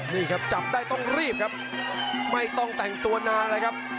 นี่ครับจับได้ต้องรีบครับไม่ต้องแต่งตัวนานเลยครับ